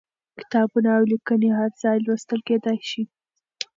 کتابونه او ليکنې هر ځای لوستل کېدای شي.